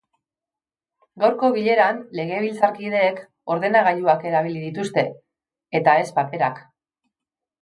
Gaurko bileran, legebiltzarkideek ordenagailuak erabili dituzte, eta ez paperak.